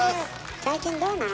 最近どうなの？